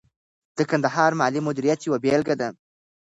د کندهار مالي مدیریت یوه بیلګه ده.